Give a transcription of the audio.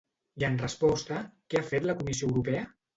I en resposta, què ha fet la Comissió Europea?